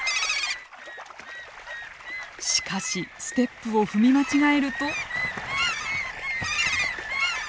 しかしステップを踏み間違えると。